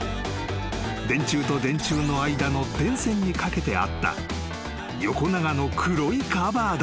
［電柱と電柱の間の電線にかけてあった横長の黒いカバーだった］